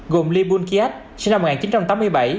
gồm lee boon khiat sinh năm một nghìn chín trăm tám mươi bảy